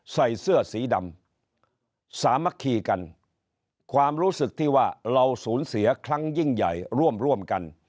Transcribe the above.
ใส่เสื้อสีดำสามัคคีกันความรู้สึกที่ว่าเราสูญเสียครั้งยิ่งใหญ่ร่วมร่วมกัน